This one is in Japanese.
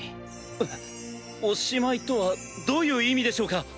えっ「おしまい」とはどういう意味でしょうか？